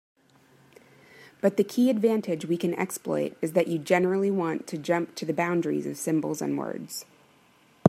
But the key advantage we can exploit is that you generally want to jump to the boundaries of symbols and words.